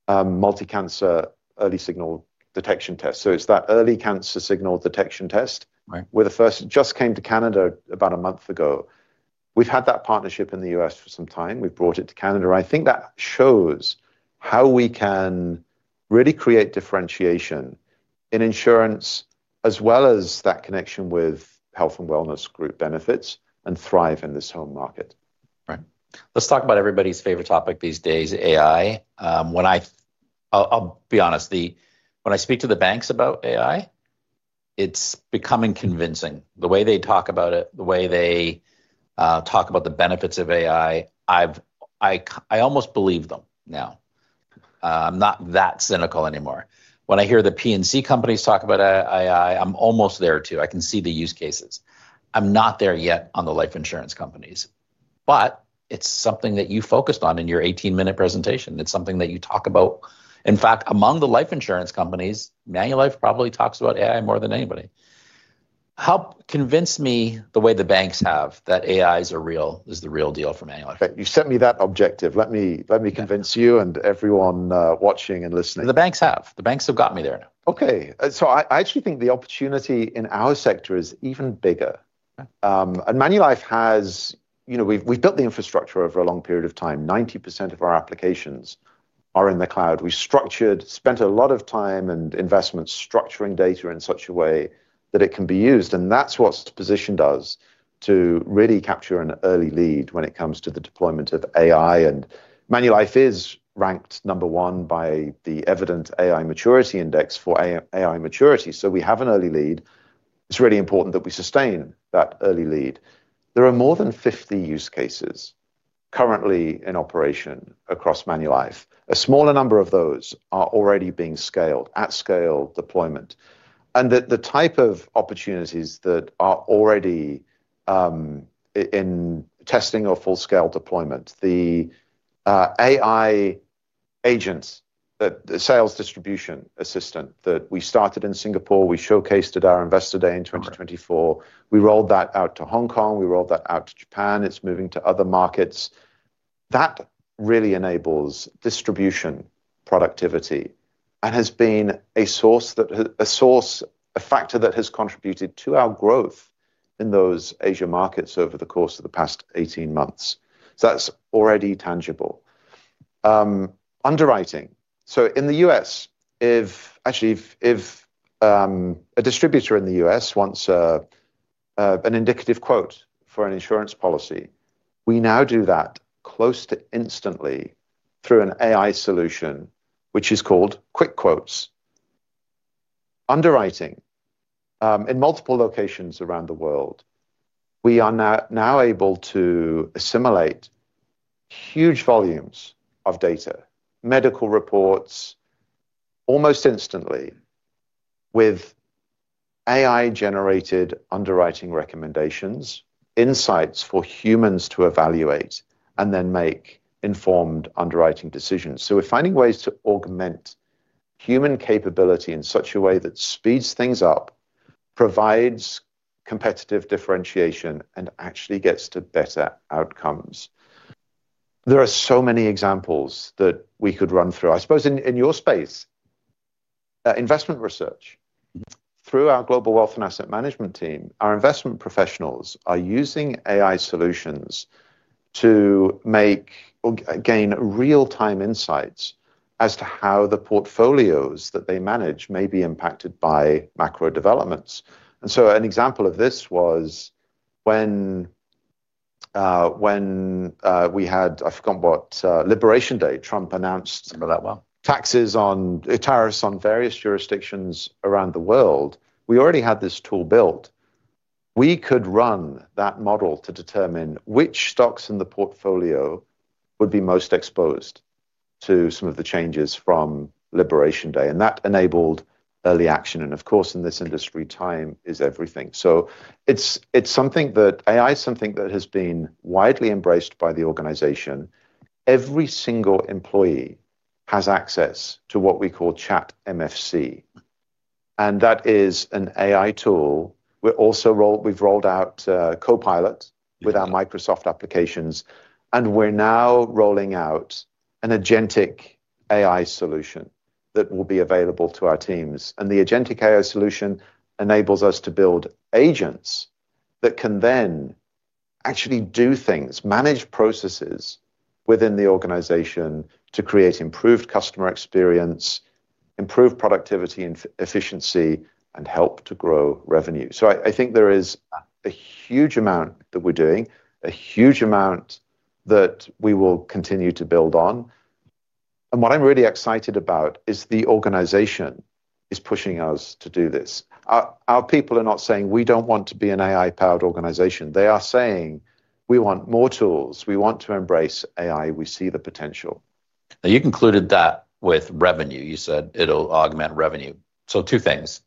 multi-cancer early signal detection test. It is that early cancer signal detection test. We are the first. It just came to Canada about a month ago. We've had that partnership in the U.S. for some time. We've brought it to Canada. I think that shows how we can really create differentiation in insurance as well as that connection with health and wellness group benefits and thrive in this home market. Right. Let's talk about everybody's favorite topic these days, AI. I'll be honest. When I speak to the banks about AI, it's becoming convincing. The way they talk about it, the way they talk about the benefits of AI, I almost believe them now. I'm not that cynical anymore. When I hear the P&C companies talk about AI, I'm almost there too. I can see the use cases. I'm not there yet on the life insurance companies. It's something that you focused on in your 18-minute presentation. It's something that you talk about. In fact, among the life insurance companies, Manulife probably talks about AI more than anybody. Help convince me the way the banks have that AI is the real deal for Manulife. You sent me that objective. Let me convince you and everyone watching and listening. The banks have got me there now. Okay. I actually think the opportunity in our sector is even bigger. Manulife has, we've built the infrastructure over a long period of time. 90% of our applications are in the cloud. We structured, spent a lot of time and investment structuring data in such a way that it can be used. That is what the position does to really capture an early lead when it comes to the deployment of AI. Manulife is ranked number one by the Evident AI Maturity Index for AI maturity. We have an early lead. It's really important that we sustain that early lead. There are more than 50 use cases currently in operation across Manulife. A smaller number of those are already being scaled at scale deployment. The type of opportunities that are already in testing or full-scale deployment, the AI agents, the sales distribution assistant that we started in Singapore, we showcased at our Investor Day in 2024. We rolled that out to Hong Kong. We rolled that out to Japan. It's moving to other markets. That really enables distribution productivity and has been a source, a factor that has contributed to our growth in those Asia markets over the course of the past 18 months. That is already tangible. Underwriting. In the U.S., actually, if a distributor in the U.S. wants an indicative quote for an insurance policy, we now do that close to instantly through an AI solution, which is called Quick Quotes. Underwriting. In multiple locations around the world, we are now able to assimilate huge volumes of data, medical reports, almost instantly with AI-generated underwriting recommendations, insights for humans to evaluate, and then make informed underwriting decisions. We are finding ways to augment human capability in such a way that speeds things up, provides competitive differentiation, and actually gets to better outcomes. There are so many examples that we could run through. I suppose in your space, investment research. Through our Global Wealth and Asset Management team, our investment professionals are using AI solutions to gain real-time insights as to how the portfolios that they manage may be impacted by macro developments. An example of this was when we had, I forgot what, Liberation Day, Trump announced. Something like that. Taxes on tariffs on various jurisdictions around the world. We already had this tool built. We could run that model to determine which stocks in the portfolio would be most exposed to some of the changes from Liberation Day. That enabled early action. In this industry, time is everything. It is something that AI is something that has been widely embraced by the organization. Every single employee has access to what we call ChatMFC. That is an AI tool. We've rolled out Copilot with our Microsoft applications. We are now rolling out an Agentic AI solution that will be available to our teams. The Agentic AI solution enables us to build agents that can then actually do things, manage processes within the organization to create improved customer experience, improve productivity and efficiency, and help to grow revenue. I think there is a huge amount that we're doing, a huge amount that we will continue to build on. What I'm really excited about is the organization is pushing us to do this. Our people are not saying, "We don't want to be an AI-powered organization." They are saying, "We want more tools. We want to embrace AI. We see the potential. Now, you concluded that with revenue. You said it'll augment revenue. Two things.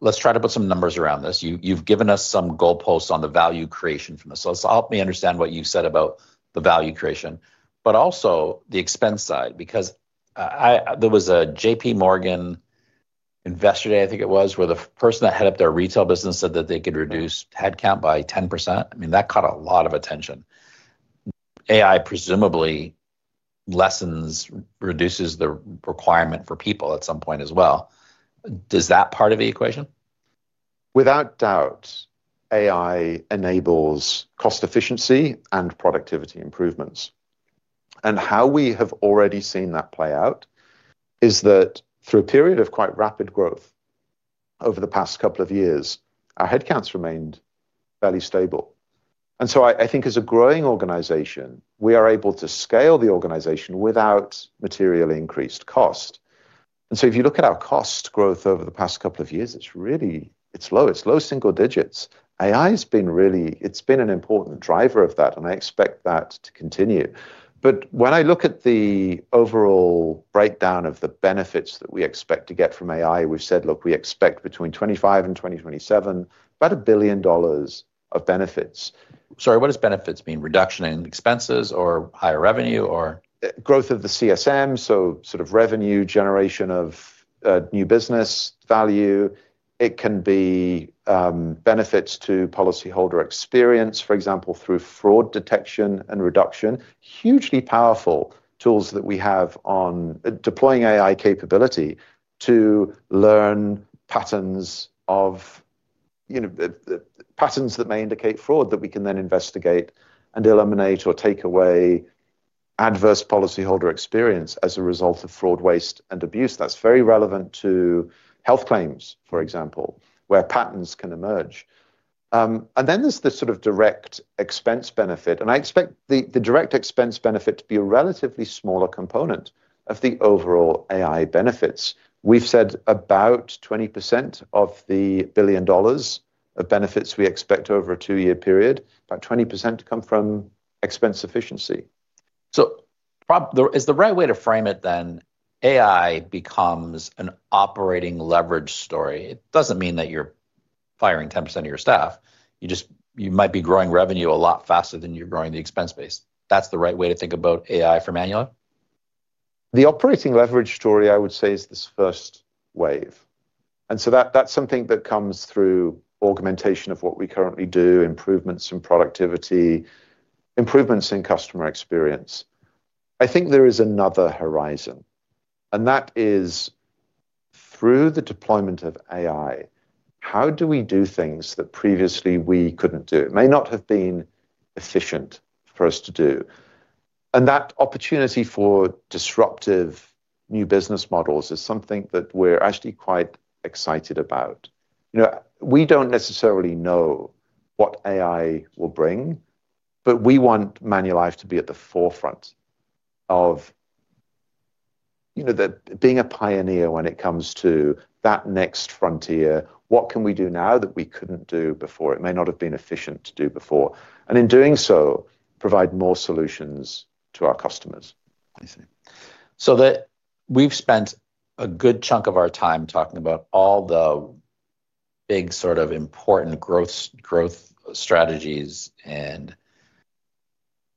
Let's try to put some numbers around this. You've given us some goalposts on the value creation from this. Help me understand what you said about the value creation, but also the expense side because there was a JPMorgan Investor Day, I think it was, where the person that headed up their retail business said that they could reduce headcount by 10%. I mean, that caught a lot of attention. AI presumably lessens, reduces the requirement for people at some point as well. Does that part of the equation? Without doubt, AI enables cost efficiency and productivity improvements. How we have already seen that play out is that through a period of quite rapid growth over the past couple of years, our headcount has remained fairly stable. I think as a growing organization, we are able to scale the organization without materially increased cost. If you look at our cost growth over the past couple of years, it is really low. It is low single digits. AI has been really, it has been an important driver of that, and I expect that to continue. When I look at the overall breakdown of the benefits that we expect to get from AI, we have said, "Look, we expect between 2025 and 2027, about $1 billion of benefits. Sorry, what does benefits mean? Reduction in expenses or higher revenue or? Growth of the CSM, so sort of revenue generation of new business value. It can be benefits to policyholder experience, for example, through fraud detection and reduction. Hugely powerful tools that we have on deploying AI capability to learn patterns of patterns that may indicate fraud that we can then investigate and eliminate or take away adverse policyholder experience as a result of fraud, waste, and abuse. That is very relevant to health claims, for example, where patterns can emerge. There is the sort of direct expense benefit. I expect the direct expense benefit to be a relatively smaller component of the overall AI benefits. We have said about 20% of the billion dollars of benefits we expect over a two-year period, about 20% come from expense efficiency. Is the right way to frame it then AI becomes an operating leverage story? It doesn't mean that you're firing 10% of your staff. You might be growing revenue a lot faster than you're growing the expense base. That's the right way to think about AI for Manulife? The operating leverage story, I would say, is this first wave. That is something that comes through augmentation of what we currently do, improvements in productivity, improvements in customer experience. I think there is another horizon. That is through the deployment of AI, how do we do things that previously we could not do? It may not have been efficient for us to do. That opportunity for disruptive new business models is something that we are actually quite excited about. We do not necessarily know what AI will bring, but we want Manulife to be at the forefront of being a pioneer when it comes to that next frontier. What can we do now that we could not do before? It may not have been efficient to do before. In doing so, provide more solutions to our customers. I see.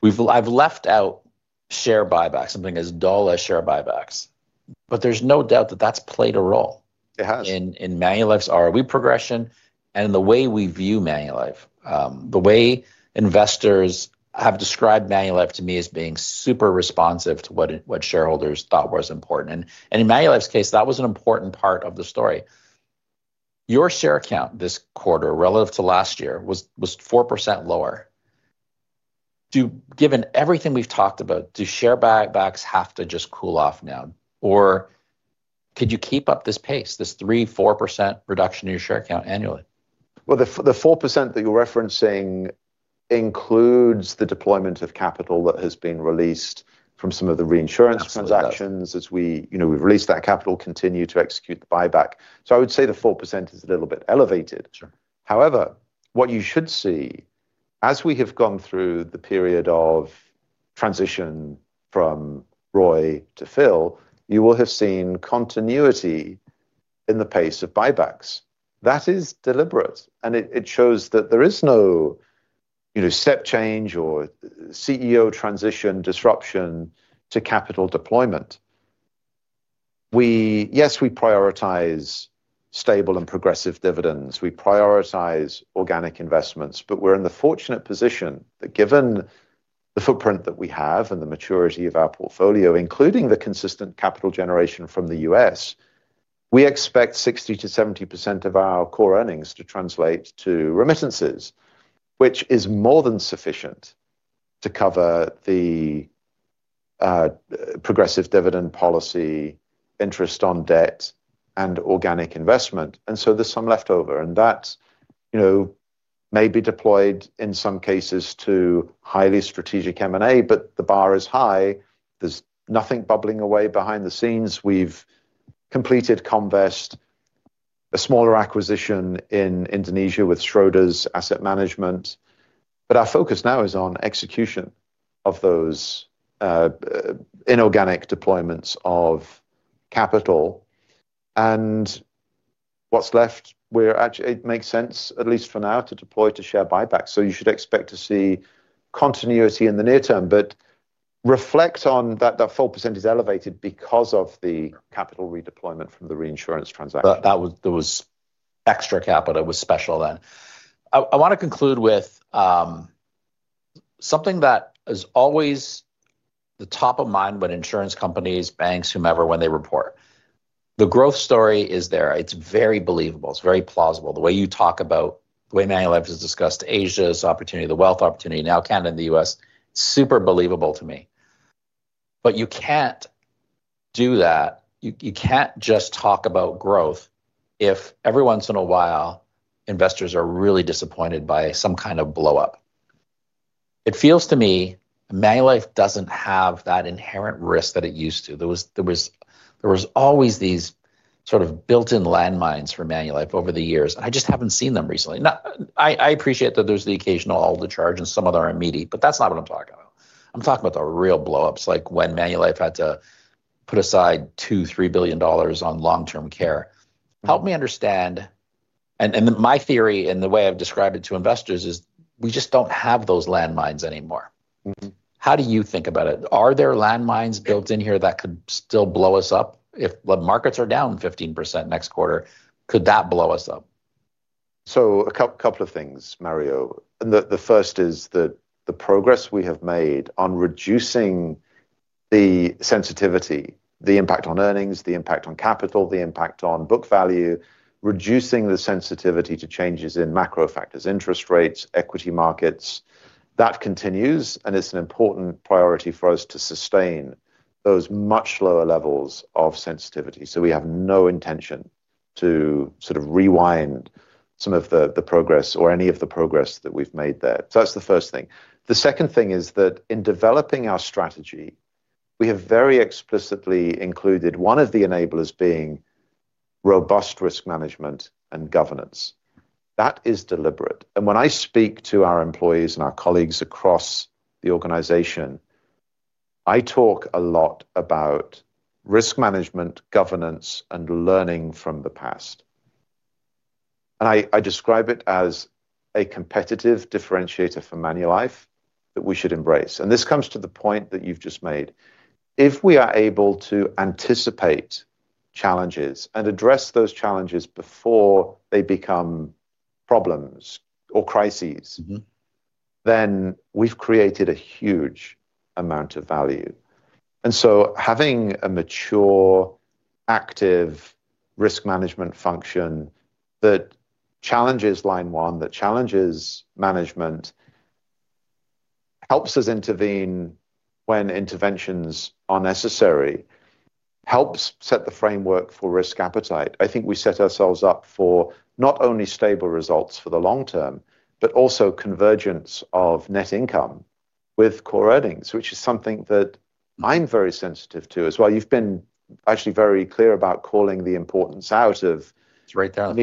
We have spent a good chunk of our time talking about all the big sort of important growth strategies. I have left out share buybacks, something as dull as share buybacks. There is no doubt that that has played a role. It has. In Manulife's ROE progression and in the way we view Manulife, the way investors have described Manulife to me as being super responsive to what shareholders thought was important. In Manulife's case, that was an important part of the story. Your share count this quarter relative to last year was 4% lower. Given everything we've talked about, do share buybacks have to just cool off now? Could you keep up this pace, this 3%, 4% reduction in your share count annually? The 4% that you're referencing includes the deployment of capital that has been released from some of the reinsurance transactions as we've released that capital, continue to execute the buyback. I would say the 4% is a little bit elevated. However, what you should see, as we have gone through the period of transition from Roy to Phil, you will have seen continuity in the pace of buybacks. That is deliberate. It shows that there is no step change or CEO transition disruption to capital deployment. Yes, we prioritize stable and progressive dividends. We prioritize organic investments. We are in the fortunate position that given the footprint that we have and the maturity of our portfolio, including the consistent capital generation from the U.S., we expect 60%-70% of our core earnings to translate to remittances, which is more than sufficient to cover the progressive dividend policy, interest on debt, and organic investment. There is some leftover. That may be deployed in some cases to highly strategic M&A, but the bar is high. There is nothing bubbling away behind the scenes. We have completed Comvest, a smaller acquisition in Indonesia with Schroders Asset Management. Our focus now is on execution of those inorganic deployments of capital. What is left makes sense, at least for now, to deploy to share buybacks. You should expect to see continuity in the near term. Reflect on that that 4% is elevated because of the capital redeployment from the reinsurance transaction. That was extra capital. It was special then. I want to conclude with something that is always the top of mind when insurance companies, banks, whomever, when they report. The growth story is there. It's very believable. It's very plausible. The way you talk about the way Manulife has discussed Asia's opportunity, the wealth opportunity now, Canada, and the U.S., super believable to me. You can't do that. You can't just talk about growth if every once in a while, investors are really disappointed by some kind of blow-up. It feels to me Manulife doesn't have that inherent risk that it used to. There was always these sort of built-in landmines for Manulife over the years. I just haven't seen them recently. I appreciate that there's the occasional alder charge and some of them are immediate, but that's not what I'm talking about. I'm talking about the real blow-ups, like when Manulife had to put aside $2 billion, $3 billion on long-term care. Help me understand. My theory and the way I've described it to investors is we just don't have those landmines anymore. How do you think about it? Are there landmines built in here that could still blow us up? If the markets are down 15% next quarter, could that blow us up? A couple of things, Mario. The first is the progress we have made on reducing the sensitivity, the impact on earnings, the impact on capital, the impact on book value, reducing the sensitivity to changes in macro factors, interest rates, equity markets. That continues. It is an important priority for us to sustain those much lower levels of sensitivity. We have no intention to sort of rewind some of the progress or any of the progress that we have made there. That is the first thing. The second thing is that in developing our strategy, we have very explicitly included one of the enablers being robust risk management and governance. That is deliberate. When I speak to our employees and our colleagues across the organization, I talk a lot about risk management, governance, and learning from the past. I describe it as a competitive differentiator for Manulife that we should embrace. This comes to the point that you've just made. If we are able to anticipate challenges and address those challenges before they become problems or crises, then we've created a huge amount of value. Having a mature, active risk management function that challenges line one, that challenges management, helps us intervene when interventions are necessary, helps set the framework for risk appetite. I think we set ourselves up for not only stable results for the long term, but also convergence of net income with core earnings, which is something that I'm very sensitive to as well. You've been actually very clear about calling the importance out of. It's right there.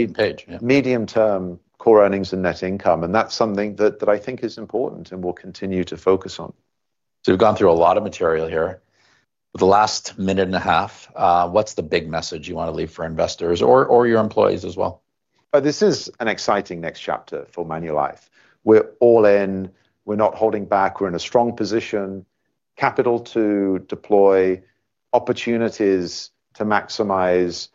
Medium-term core earnings and net income. That is something that I think is important and we will continue to focus on. We have gone through a lot of material here. The last minute and a half, what is the big message you want to leave for investors or your employees as well? This is an exciting next chapter for Manulife. We're all in. We're not holding back. We're in a strong position, capital to deploy, opportunities to maximize.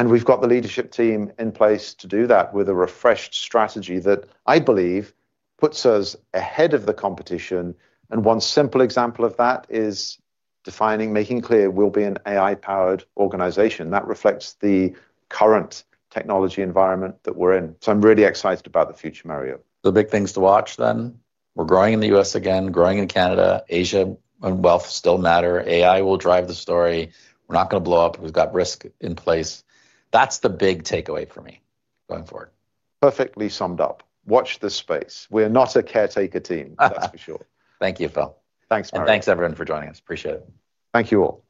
We've got the leadership team in place to do that with a refreshed strategy that I believe puts us ahead of the competition. One simple example of that is defining, making clear we'll be an AI-powered organization. That reflects the current technology environment that we're in. I'm really excited about the future, Mario. Big things to watch then. We're growing in the U.S. again, growing in Canada. Asia and wealth still matter. AI will drive the story. We're not going to blow up. We've got risk in place. That's the big takeaway for me going forward. Perfectly summed up. Watch this space. We're not a caretaker team, that's for sure. Thank you, Phil. Thanks, Mario. Thanks, everyone, for joining us. Appreciate it. Thank you all.